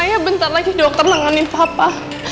buat ya pak bentar lagi doktor nanganin papa